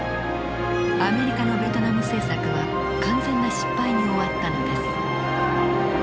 アメリカのベトナム政策は完全な失敗に終わったのです。